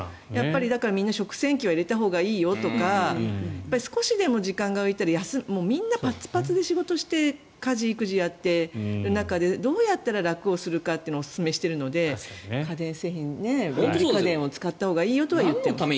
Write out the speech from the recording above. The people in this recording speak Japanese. だから、みんな食洗機は入れたほうがいいよとか少しでも時間が浮いたらみんなパツパツで仕事して家事、育児をやってる中でどうやったら楽をするかをおすすめしているので家電製品、電気家電を使ったほうがいいと言っています。